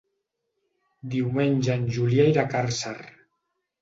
Diumenge en Julià irà a Càrcer.